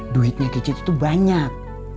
duitnya kicit itu banyak